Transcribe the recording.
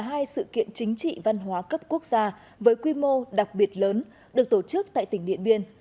hai sự kiện chính trị văn hóa cấp quốc gia với quy mô đặc biệt lớn được tổ chức tại tỉnh điện biên